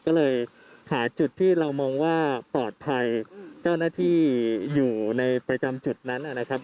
ก็เลยหาจุดที่เรามองว่าปลอดภัยเจ้าหน้าที่อยู่ในประจำจุดนั้นนะครับ